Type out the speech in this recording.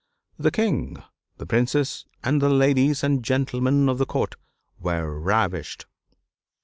The King, the princes, and the ladies and gentlemen of the court were ravished.